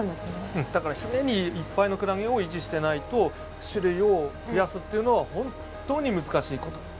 うんだから常にいっぱいのクラゲを維持していないと種類を増やすっていうのは本当に難しいこと。